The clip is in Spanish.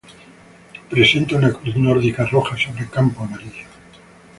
Presenta una cruz nórdica roja sobre campo amarillo.